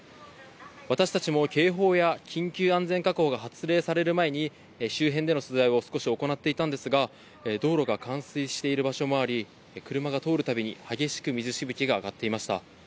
私達も警報や緊急安全確保が発令される前に、周辺での取材を少し行っていたんですが、道路が冠水している場所もあり、車が通るたびに激しく水しぶきが上がっていました。